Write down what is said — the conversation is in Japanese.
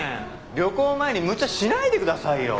旅行前に無茶しないでくださいよ。